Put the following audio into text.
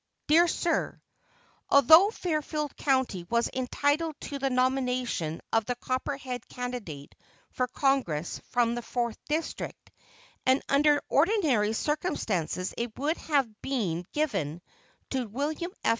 Dear Sir: Although Fairfield County was entitled to the nomination of the copperhead candidate for Congress from the Fourth District, and under ordinary circumstances it would have been given to William F.